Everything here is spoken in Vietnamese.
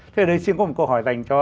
thế đây xin có một câu hỏi dành cho